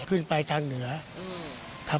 ขึ้นไปทางเหนือครับ